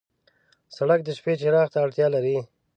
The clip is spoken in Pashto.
سړک د شپې څراغ ته اړتیا لري.